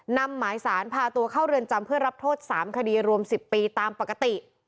นำหมายสารพาตัวเข้าเรือนจำเพื่อรับโทษ๓คดีรวม๑๐ปีตามปกติ